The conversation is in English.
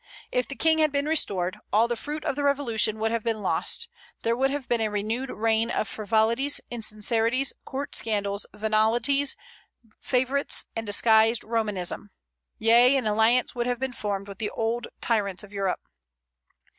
If the King had been restored, all the fruit of the revolution would have been lost; there would have been a renewed reign of frivolities, insincerities, court scandals, venalities, favorites, and disguised Romanism, yea, an alliance would have been formed with the old tyrants of Europe.